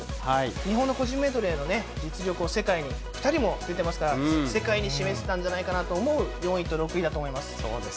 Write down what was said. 日本の個人メドレーの実力を世界に、２人も出てますから、世界に示せたんじゃないかなと思う４位と６位だと思います。